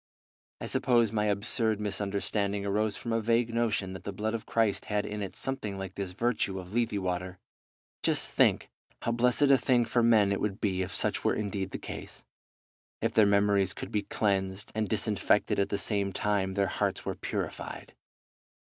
I suppose my absurd misunderstanding arose from a vague notion that the blood of Christ had in it something like this virtue of Lethe water. Just think how blessed a thing for men it would be if such were indeed the case, if their memories could be cleansed and disinfected at the same time their hearts were purified!